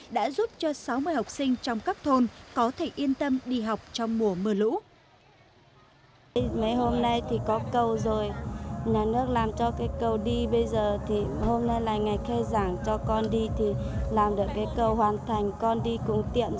đã giúp cho sáu mươi học sinh trong các thôn có thể yên tâm đi học trong mùa mưa lũ